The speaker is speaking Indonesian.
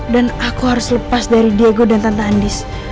dan aku harus lepas dari diego dan tante andis